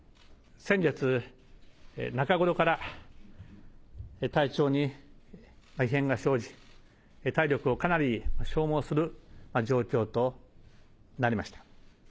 先月中頃から、体調に異変が生じ、体力をかなり消耗する状況となりました。